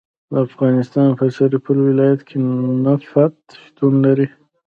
د افغانستان په سرپل ولایت کې نفت شتون لري